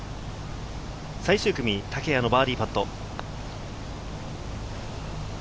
最終組、竹谷のバーディーパット。